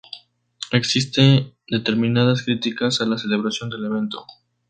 Existen determinadas críticas a la celebración del evento.